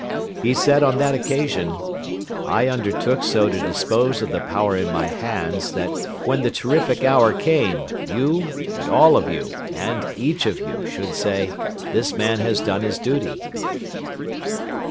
He said on that occasion, "I undertook so to dispose of the power in my hands that when the terrific hour came, you, and all of you, and each of you, should say, 'This man has done his duty.'"